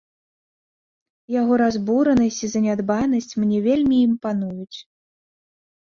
Яго разбуранасць і занядбанасць мне вельмі імпануюць.